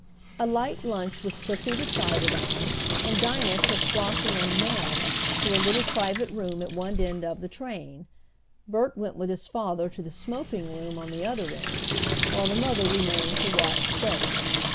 A light lunch was quickly decided on, and Dinah took Flossie and Nan to a little private room at one end of the train, Bert went with his father to the smoking room on the other end, while the mother remained to watch Freddie.